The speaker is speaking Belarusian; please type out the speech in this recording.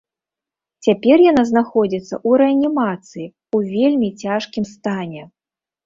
Цяпер яна знаходзіцца ў рэанімацыі ў вельмі цяжкім стане.